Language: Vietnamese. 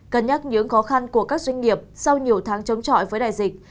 cân nhắc những khó khăn của các doanh nghiệp sau nhiều tháng chống trọi với đại dịch